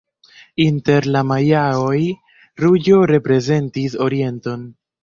Inter la majaoj ruĝo reprezentis orienton.